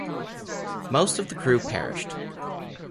Most of the crew perished.